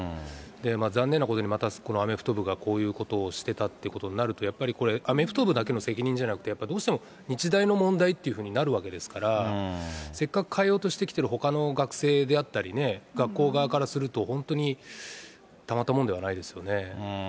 残念なことに、またアメフト部がこういうことをしてたってことになると、やっぱりこれ、アメフト部だけの責任じゃなくて、やっぱりどうしても日大の問題というふうになるわけですから、せっかく変えようとしてきてるほかの学生であったりね、学校側からすると、本当にたまったもんではないですよね。